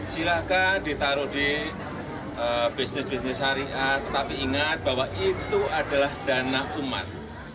silahkan ditaruh di bisnis bisnis syariat tetapi ingat bahwa itu adalah dana umat